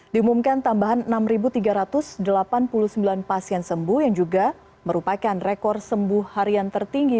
diumumkan tambahan enam tiga ratus delapan puluh sembilan pasien sembuh yang juga merupakan rekor sembuh harian tertinggi